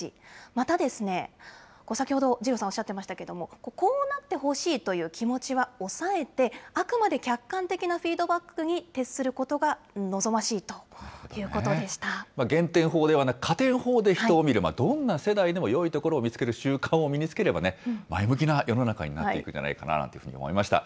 また、先ほど二郎さんおっしゃってましたけど、こうなってほしいという気持ちは抑えて、あくまで客観的なフィードバックに徹する減点法ではなく、加点法で人を見れば、どんな世代でも、よいところを見つける習慣を身につければ、前向きな世の中になっていくんじゃないかなと思いました。